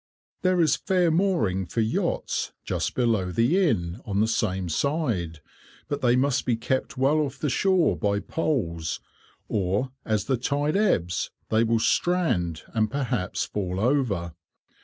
There is fair mooring for yachts just below the Inn, on the same side, but they must be kept well off the shore by poles, or as the tide ebbs they will strand and perhaps fall over.